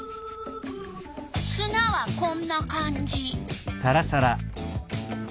すなはこんな感じ。